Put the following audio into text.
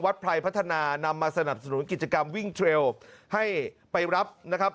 ไพรพัฒนานำมาสนับสนุนกิจกรรมวิ่งเทรลให้ไปรับนะครับ